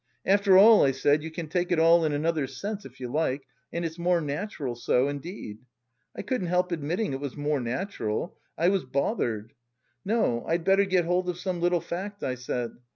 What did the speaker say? After all, I said, you can take it all in another sense if you like, and it's more natural so, indeed. I couldn't help admitting it was more natural. I was bothered! 'No, I'd better get hold of some little fact' I said.